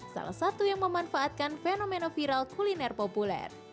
salah satu yang memanfaatkan fenomena viral kuliner populer